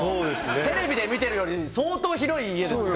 テレビで見てるより相当広い家ですね